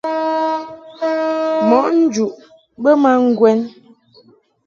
Mɔʼ njuʼ bə ma ŋgwɛn.